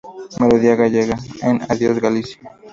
Melodía gallega", en "¡Adiós Galicia!